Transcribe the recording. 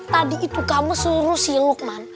tadi itu kamu suruh si lukman